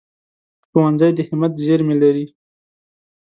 ښوونځی د همت زېرمې لري